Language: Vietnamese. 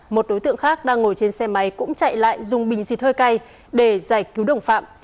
một đối tượng khác đang ngồi trên xe máy cũng chạy lại dùng bình xịt hơi cay để giải cứu đồng phạm